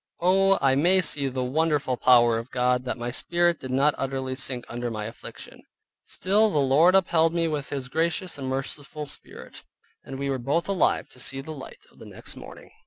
Oh, I may see the wonderful power of God, that my Spirit did not utterly sink under my affliction: still the Lord upheld me with His gracious and merciful spirit, and we were both alive to see the light of the next morning.